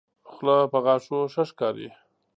خله په غاښو ښه ښکاري.